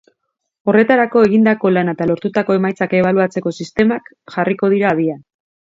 Horretarako egindako lana eta lortutako emaitzak ebaluatzeko sistemak jarriko dira abian.